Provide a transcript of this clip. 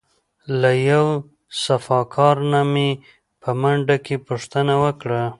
له یو صفاکار نه مې په منډه کې پوښتنه وکړه.